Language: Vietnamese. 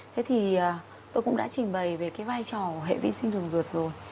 thế thì tôi cũng đã trình bày về cái vai trò hệ vi sinh thường ruột rồi